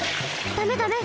だめだめ！